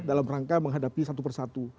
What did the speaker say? dalam rangka menghadapi satu persatu